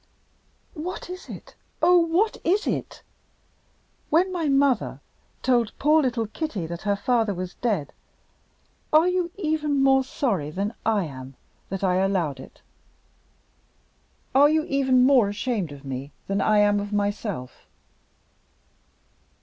"What is it? Oh, what is it! When my mother told poor little Kitty that her father was dead, are you even more sorry than I am that I allowed it? Are you even more ashamed of me than I am of myself?"